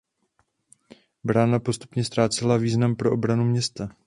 Brána postupně ztrácela význam pro obranu města.